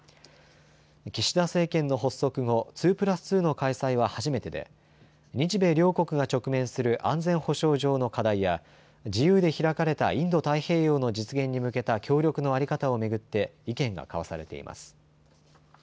岸田政権の発足後、２プラス２の開催は初めてで日米両国が直面する安全保障上の課題や自由で開かれたインド太平洋の実現に向けた協力の在り方を巡って意見が交わされています。